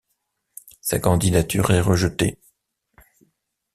Sa candidature est rejetée.